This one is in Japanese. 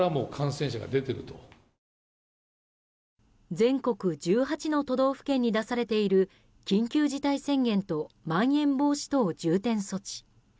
全国１８の都道府県に出されている緊急事態宣言とまん延防止等重点措置。